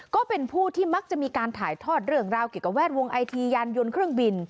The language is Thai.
ก็เป็นผู้ที่มักจะมีการถ่ายทอดเรื่องราวเกี่ยวกับแวดวงไอทียานยนต์เครื่องบิน